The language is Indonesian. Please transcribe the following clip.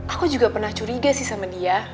aku juga pernah curiga sih sama dia